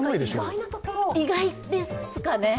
意外ですかね？